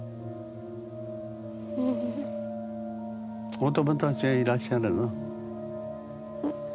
お友達がいらっしゃるの？